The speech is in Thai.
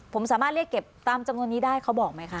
ผมสามารถเรียกเก็บตามจำนวนนี้ได้เขาบอกไหมคะ